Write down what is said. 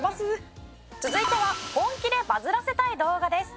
「続いては本気でバズらせたい動画です」